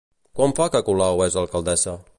Quant fa que Colau és alcaldessa?